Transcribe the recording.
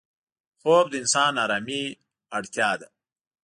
خوب د انسان آرامي اړتیا ده